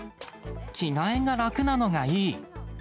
着替えが楽なのがいい。